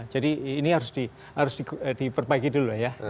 jadi ini harus diperbaiki dulu ya